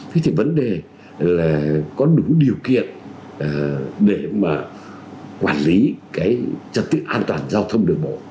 thế thì vấn đề là có đủ điều kiện để mà quản lý cái trật tự an toàn giao thông đường bộ